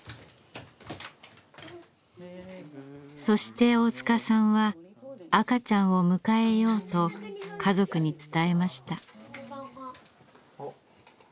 そして大塚さんは赤ちゃんを迎えようと家族に伝えました。